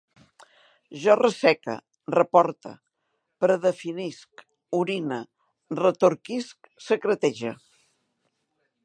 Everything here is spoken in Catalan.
Jo resseque, reporte, predefinisc, orine, retorquisc, secretege